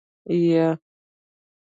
يه.